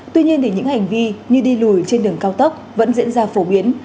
tuy nhiên những hành vi như đi lùi trên đường cao tốc vẫn diễn ra phổ biến